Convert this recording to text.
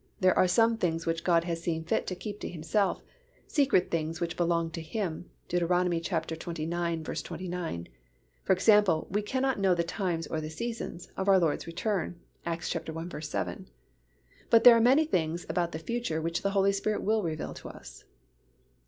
There are some things which God has seen fit to keep to Himself, secret things which belong to Him (Deut. xxix. 29). For example, we cannot "know the times, or the seasons" of our Lord's return (Acts i. 7), but there are many things about the future which the Holy Spirit will reveal to us.